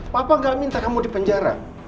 papa gak minta kamu di penjara